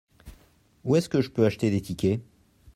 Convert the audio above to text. Où est-ce que je peux acheter des tickets ?